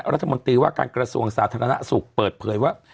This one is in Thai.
รัฐมนตรีว่าการกระทรวงสาธารณสุขเปิดเผยว่า